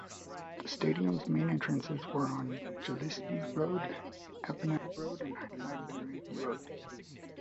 The stadium's main entrances were on Gillespie Road, Avenell Road and Highbury Hill.